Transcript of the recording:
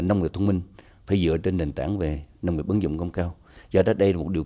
nông nghiệp thông minh phải dựa trên nền tảng về nông nghiệp ứng dụng công cao do đó đây là một điều